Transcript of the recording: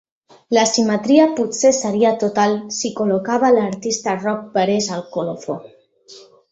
La simetria potser seria total si col·locava l'artista Roc Parés al colofó.